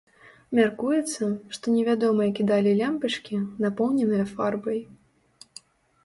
Мяркуецца, што невядомыя кідалі лямпачкі, напоўненыя фарбай.